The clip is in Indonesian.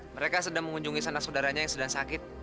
mereka sedang mengunjungi sana saudaranya yang sedang sakit